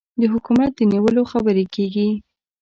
د حکومت د نیولو خبرې کېږي.